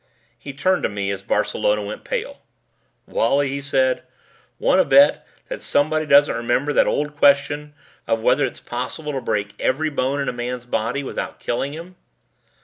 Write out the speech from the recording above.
He turned to me as Barcelona went pale. "Wally," he asked, "want to bet that someone doesn't remember that old question of whether it is possible to break every bone in a man's body without killing him?"